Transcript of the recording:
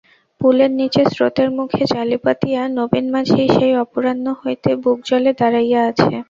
পুলের নিচে স্রোতের মুখে জালি পাতিয়া নবীন মাঝি সেই অপরাহ্ল হইতে বুকজলে দাড়াইয়া আছে।